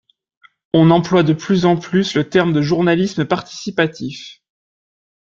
On emploie de plus en plus le terme de journalisme participatif.